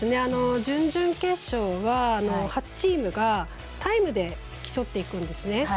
準々決勝は８チームがタイムで競っていくんですね。